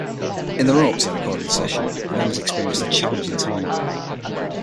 In the run-up to the recording session, the members experienced a challenging time.